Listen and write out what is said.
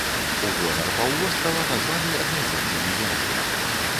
У гонар паўвострава названы аднайменны мінерал.